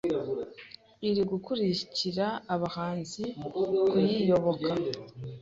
iri gukururira Abahanzi kuyiyoboka...